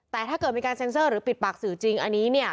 แต่ถ้าเกิดมีการเซ็นเซอร์หรือปิดปากสื่อจริงอันนี้เนี่ย